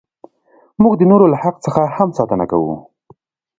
موږ د نورو له حق څخه هم ساتنه کوو.